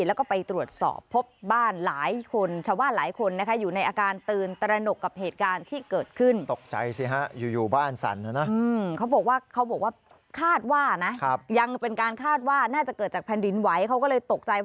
แล้วก็ไปตรวจสอบพบบ้านหลายคนชาวว่าหลายคนนะคะ